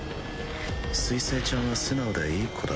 水星ちゃんは素直でいい子だ。